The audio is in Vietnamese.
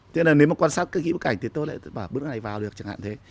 thế là nếu mà quan sát cái kỹ bức cảnh thì tôi lại tự bảo bước này vào được chẳng hạn thế